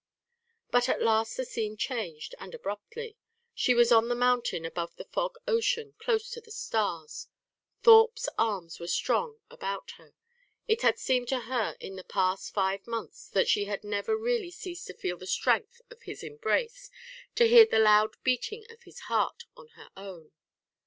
But at last the scene changed, and abruptly. She was on the mountain above the fog ocean, close to the stars. Thorpe's arms were strong about her. It had seemed to her in the past five months that she had never really ceased to feel the strength of his embrace, to hear the loud beating of his heart on her own.